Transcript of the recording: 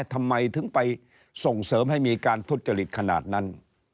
ทำไมถึงไปส่งเสริมให้มีการทุจริตขนาดนั้น